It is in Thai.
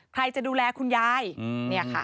ใครจะดูแลคุณยายเนี่ยค่ะ